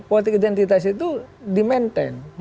politik identitas itu di maintain